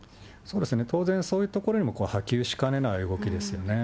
当然そういうところにも波及しかねない動きですよね。